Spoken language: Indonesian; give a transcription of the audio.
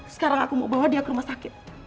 sekarang aku mau bawa dia ke rumah sakit